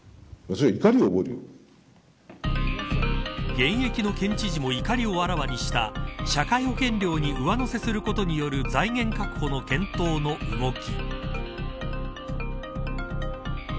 現役の県知事も怒りをあらわにした社会保険料に上乗せすることによる財源確保の検討の動き。